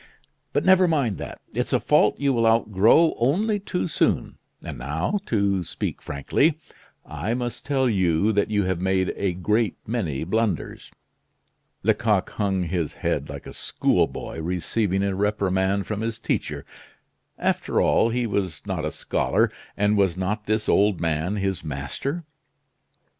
But never mind that, it's a fault you will outgrow only too soon. And now, to speak frankly, I must tell you that you have made a great many blunders." Lecoq hung his head like a schoolboy receiving a reprimand from his teacher. After all was he not a scholar, and was not this old man his master?